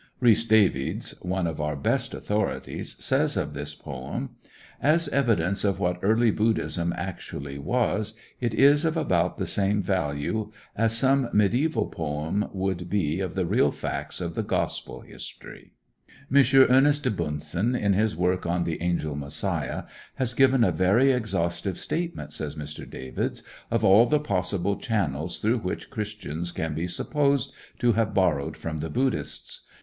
Rhys Davids, one of our best authorities, says of this poem: "As evidence of what early Buddhism actually was, it is of about the same value as some mediæval poem would be of the real facts of the gospel history." M. Ernest de Bunsen, in his work on the "Angel Messiah," has given a very exhaustive statement, says Mr. Davids, of all the possible channels through which Christians can be supposed to have borrowed from the Buddhists.